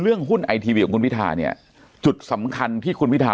เรื่องหุ้นไอทีวีคุณวิทราเนี่ยจุดสำคัญที่คุณวิทรา